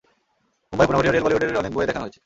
মুম্বাই উপনগরীয় রেল বলিউডের অনেক বয়ে দেখানো হয়েছে।